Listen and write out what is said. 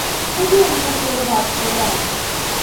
Ну вельмі хацеў убачыць адразу!